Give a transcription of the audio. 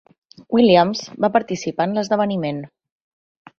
Williams va participar en l'esdeveniment.